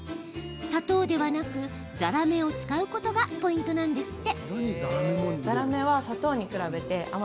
砂糖ではなくざらめを使うことがポイントなんですって。